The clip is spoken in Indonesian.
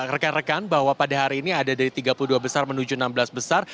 rekan rekan bahwa pada hari ini ada dari tiga puluh dua besar menuju enam belas besar